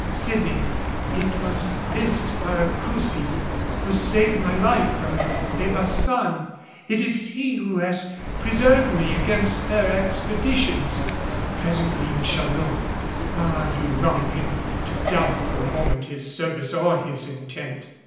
Sydney, it was this Paracousi who saved my life from De Baçan, and it is he who has preserved me against their expeditions. Presently you shall know. Ah, you wrong him to doubt for a moment his service or his intent.